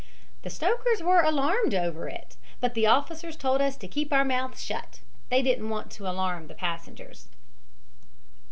"The stokers were alarmed over it, but the officers told us to keep our mouths shut they didn't want to alarm the passengers."